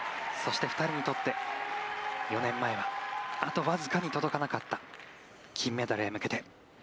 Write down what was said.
そして、２人にとって４年前はあと僅かに届かなかった金メダルへ向けて。